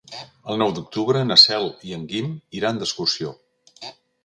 El nou d'octubre na Cel i en Guim iran d'excursió.